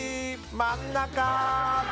真ん中！